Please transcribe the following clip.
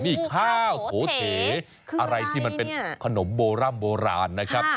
นี่ข้าวโถเถอะไรที่มันเป็นขนมโบร่ำโบราณนะครับ